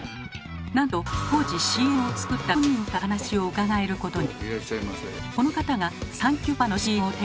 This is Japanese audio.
なんと当時ＣＭを作ったご本人からお話を伺えることに。